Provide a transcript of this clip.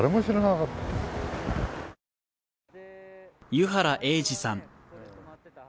湯原栄司さん